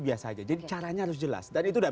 biasa aja jadi caranya harus jelas dan itu sudah